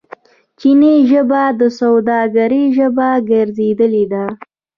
چیني ژبه د سوداګرۍ ژبه ګرځیدلې ده.